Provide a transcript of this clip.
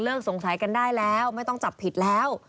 สงสัยกันได้แล้วไม่ต้องจับผิดแล้ว